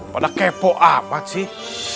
pada kepo amat sih